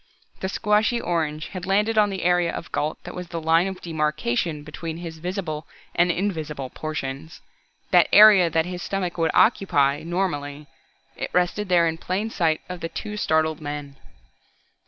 The squashy orange had landed on the area of Gault that was the line of demarkation between his visible and invisible portions the area that his stomach would occupy normally. It rested there in plain sight of the two startled men.